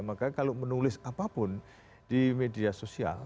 makanya kalau menulis apapun di media sosial